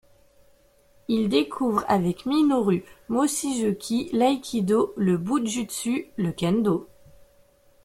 Il découvre avec Minoru Mochizuki l'aïkido, le bo-jutsu, le kendo.